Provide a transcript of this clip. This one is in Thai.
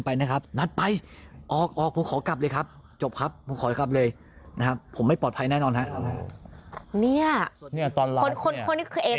ไปเลยปายไปเลยเฮ้ยพอครับหยุดหยุดเลยพี่นี้หยุดแดด